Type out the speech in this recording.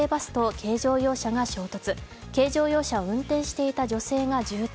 軽乗用車を運転していた女性が重体。